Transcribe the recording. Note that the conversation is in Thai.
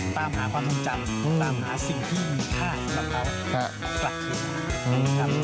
ตามหาความทรงจำตามหาสิ่งที่มีค่าของพระเครื่อง